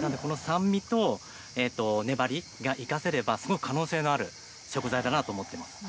なので、この酸味と粘りが生かせれば、すごく可能性のある食材だなと思っています。